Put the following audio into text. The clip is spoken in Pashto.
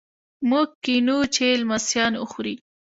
موږ کینوو چې لمسیان وخوري.